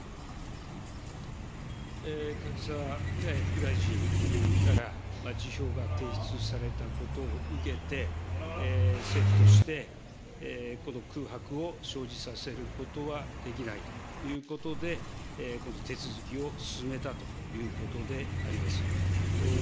柿沢副大臣から、辞表が提出されたことを受けて、政府として、この空白を生じさせることはできないということで、この手続きを進めたということであります。